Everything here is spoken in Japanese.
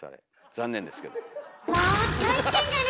残念ですけど。